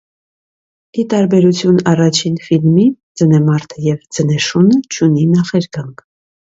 Ի տարբերություն առաջին ֆիլմի՝ «Ձնեմարդը և ձնեշունը» չունի նախերգանք։